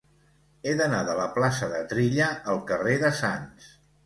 He d'anar de la plaça de Trilla al carrer de Sants.